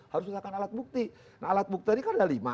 harus misalkan alat bukti nah alat bukti ini kan ada lima